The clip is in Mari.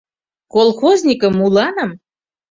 Колхозникым уланым?